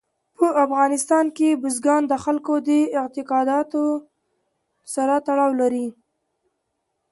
په افغانستان کې بزګان د خلکو د اعتقاداتو سره تړاو لري.